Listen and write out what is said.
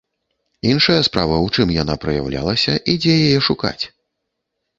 Іншая справа, у чым яна праяўлялася і дзе яе шукаць?